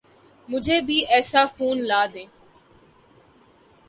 مجھے بھی ایسا فون لا دیں